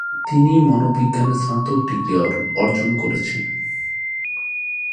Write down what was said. তিনি মনোবিজ্ঞানে স্নাতক ডিগ্রি অর্জন করেছেন।